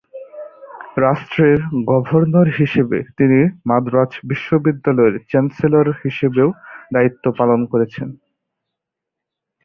রাষ্ট্রের গভর্নর হিসেবে তিনি মাদ্রাজ বিশ্ববিদ্যালয়ের চ্যান্সেলর হিসেবে দায়িত্ব পালন করেন।